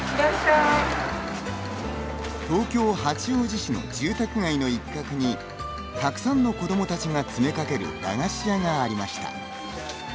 東京、八王子市の住宅街の一角にたくさんの子どもたちが詰めかける駄菓子屋がありました。